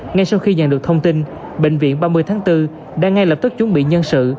ngay sau khi nhận được thông tin bệnh viện ba mươi tháng bốn đã ngay lập tức chuẩn bị nhân sự